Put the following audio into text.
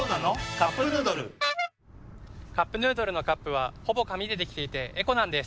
「カップヌードル」「カップヌードル」のカップはほぼ紙でできていてエコなんです。